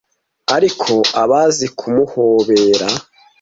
ariko abazi kumuhobera